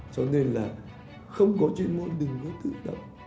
cho nên là không có chuyên môn đừng hút tự động